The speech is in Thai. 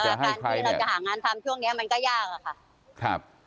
การที่เราจะหางานทำช่วงนี้มันก็ยากอะค่ะครับ